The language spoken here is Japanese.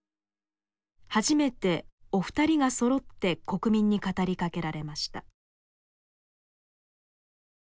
初めてお二人がそろって国民に語りかけられました。